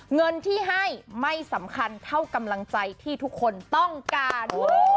เงินที่ให้ไม่สำคัญเท่ากำลังใจที่ทุกคนต้องการ